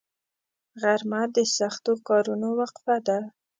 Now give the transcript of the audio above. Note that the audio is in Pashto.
غرمه د سختو کارونو وقفه ده